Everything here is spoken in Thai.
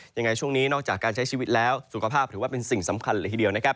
ยังไงช่วงนี้นอกจากการใช้ชีวิตแล้วสุขภาพถือว่าเป็นสิ่งสำคัญเลยทีเดียวนะครับ